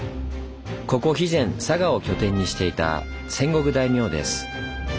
ここ肥前佐賀を拠点にしていた戦国大名です。